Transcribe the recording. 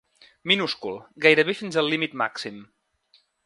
Minúscul, gairebé fins al límit màxim.